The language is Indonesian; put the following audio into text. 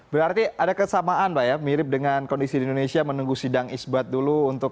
berarti ada kesamaan pak ya mirip dengan kondisi di indonesia menunggu sidang isbat dulu untuk